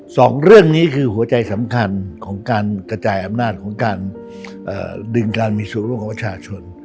สองเรื่องนี้คือหัวใจสำคัญของการกระจายอำนาจของการดึงการมีส่วนร่วมของประชาชน